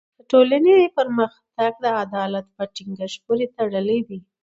د ټولني پرمختګ د عدالت په ټینګښت پوری تړلی دی.